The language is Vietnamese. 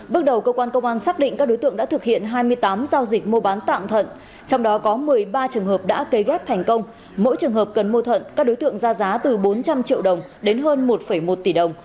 bước đầu công an tp hcm xác định các đối tượng đã thực hiện hai mươi tám giao dịch mua bán tạm thận